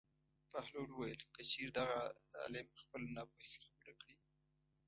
بهلول وویل: که چېرې دغه عالم خپله ناپوهي قبوله کړي.